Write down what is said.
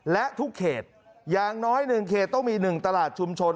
และทุกเขตอย่างน้อย๑เขตต้องมี๑ตลาดชุมชน